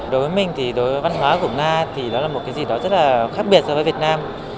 đối với mình thì đối với văn hóa của nga thì nó là một cái gì đó rất là khác biệt so với việt nam